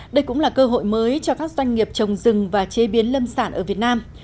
đây cũng là cơ hội mới cho các doanh nghiệp trồng rừng và chế biến lâm sản ở việt nam